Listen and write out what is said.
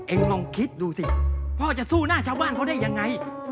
ลองคิดดูสิพ่อจะสู้หน้าชาวบ้านเขาได้ยังไง